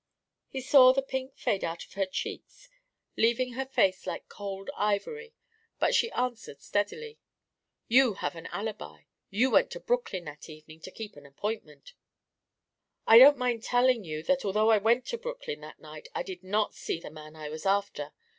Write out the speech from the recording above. He saw the pink fade out of her cheeks, leaving her face like cold ivory, but she answered steadily: "You have your alibi. You went to Brooklyn that evening to keep an appointment." "I don't mind telling you that although I went to Brooklyn that night I did not see the man I was after.